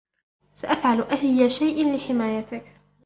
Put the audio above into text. سأفعل أيّ شيء لحمايتك.